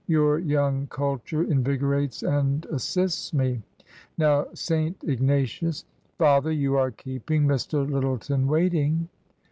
Your young culture invigorates and as sists me. Now, St Ignatius "" Father, you are keeping Mr. Lyttleton waiting